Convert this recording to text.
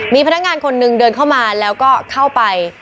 มีพนักงานคนหนึ่งเดินเข้ามาแล้วก็เข้าไป